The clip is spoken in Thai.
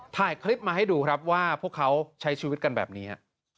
ถ่ายคลิปมาให้ดูครับว่าพวกเขาใช้ชีวิตกันแบบนี้